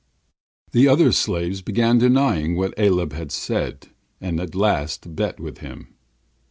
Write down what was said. The other slaves began denying what Aleb had said, and at last bet with him.